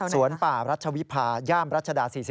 สวนป่ารัชวิภาย่ามรัชดา๔๐